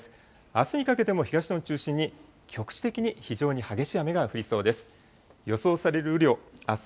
あすにかけても東日本を中心に、局地的に非常に激しい雨が降りそうです。